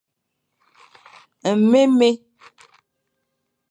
Nmémé.